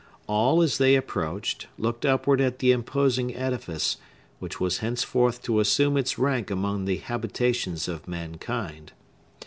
All, as they approached, looked upward at the imposing edifice, which was henceforth to assume its rank among the habitations of mankind.